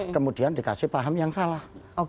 kemudian dikasih paham yang salah